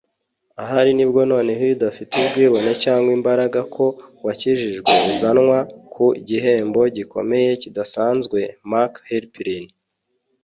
ahari ni bwo noneho, iyo udafite ubwibone cyangwa imbaraga, ko wakijijwe, uzanwa ku gihembo gikomeye kidasanzwe - mark halperin